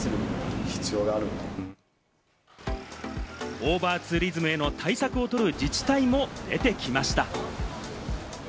オーバーツーリズムへの対策をとる自治体も出てきました。